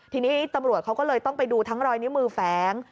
ทีนี้ตำรวจเขาก็เลยต้องไปดูทั้งรอยนิ้วมือแฝง